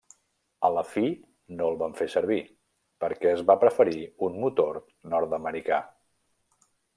A la fi no el van fer servir, perquè es va preferir un motor nord-americà.